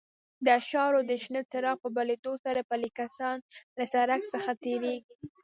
د اشارو د شنه څراغ په بلېدو سره پلي کسان له سړک څخه تېرېږي.